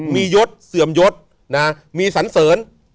มียศเสื่อมยศนะมีสันเสริญ